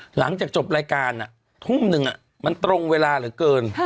หลังจากจบรายการทุ่มหนึ่งมันตรงเวลาเหลือเกิน